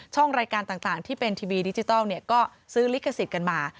รายการต่างที่เป็นทีวีดิจิทัลก็ซื้อลิขสิทธิ์กันมา